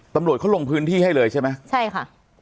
ตำรวจเขาลงพื้นที่ให้เลยใช่ไหมใช่ค่ะ